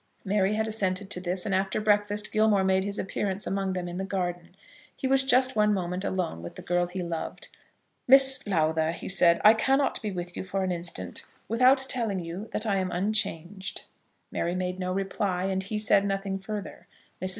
Mary had assented to this, and, after breakfast, Gilmore made his appearance among them in the garden. He was just one moment alone with the girl he loved. "Miss Lowther," he said, "I cannot be with you for an instant without telling you that I am unchanged." Mary made no reply, and he said nothing further. Mrs.